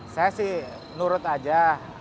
saya sih nurut aja